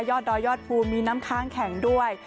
ดอยยอดภูมิมีน้ำค้างแข็งด้วย